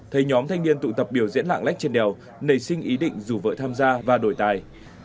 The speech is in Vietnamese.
thấy nhóm thanh niên tụ tập biểu diễn lạng lách trên đèo nảy sinh ý định dù vợ tham gia và đổi tài